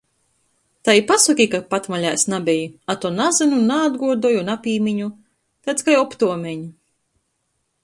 Tai i pasoki, ka patmalēs nabeji. A to - nazynu, naatguodoju, napīmiņu. Taids kai optuomeņ!